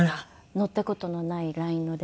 乗った事のないラインの電車に。